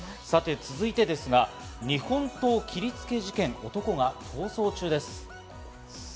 続いてですが、日本刀切りつけ事件、男が逃走中です。